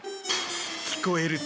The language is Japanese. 聞こえると？